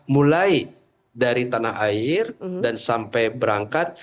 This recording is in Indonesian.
mulai dari tanah air dan sampai berangkat